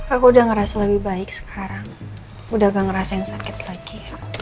aku udah ngerasa lebih baik sekarang udah gak ngerasain sakit lagi